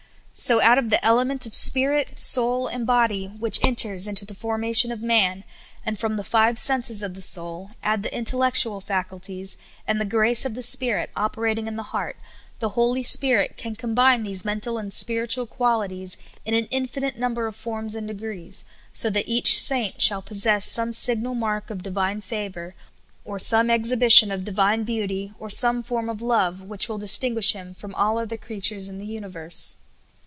So out of the element of spirit, soul, and body, which enters into the formation of man, and from the five vSenses of the soul add the intellect ual faculties, and the grace of the Spirit operating in THE DOMINANT SOUI. QUAUTY. 75 the heart, the Holy vSpirit can combine these meutal and spiritual qualities in an infinite number of forms and degrees, so that each saint shall possess some sig nal mark of divine favor, or some exhibition of divine beauty, or some form of love, which will distinguish him from all other creatures in the universe.